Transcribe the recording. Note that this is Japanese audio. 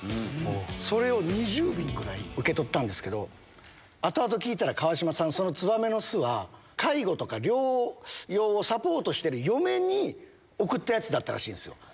それを２０瓶ぐらい受け取ったんですけど、後々聞いたら、川島さん、そのツバメの巣は、介護とか療養をサポートしてる嫁に贈ったやつだったらしいんですよ。